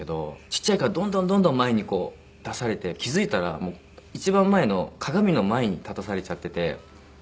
ちっちゃいからどんどんどんどん前に出されて気付いたら一番前の鏡の前に立たされちゃってて。